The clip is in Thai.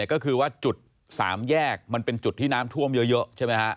ก็คือว่าจุดสามแยกมันเป็นจุดที่น้ำท่วมเยอะใช่ไหมฮะ